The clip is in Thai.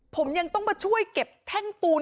ผมยังต้องมาช่วยเก็บแท่งปูน